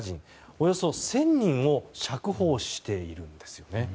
およそ１０００人を釈放しているんですよね。